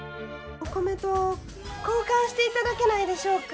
お米と交換していただけないでしょうか？